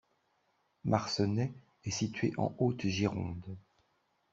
Marcenais est situé en Haute-Gironde.